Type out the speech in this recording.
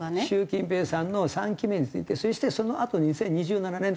習近平さんの３期目に続いてそしてそのあと２０２７年